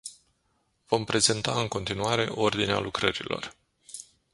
Vom prezenta în continuare ordinea lucrărilor.